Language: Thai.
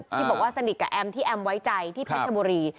ที่บอกว่าสนิทกับแอมที่แอมไว้ใจที่เพชรบุรี